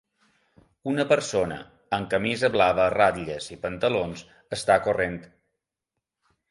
Una persona, amb camisa blava a ratlles i pantalons, està corrent.